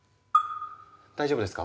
大丈夫ですか？